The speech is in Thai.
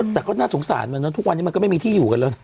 แต่ก็น่าสงสารว่าทุกวันยังไม่มีที่อยู่กันแล้ว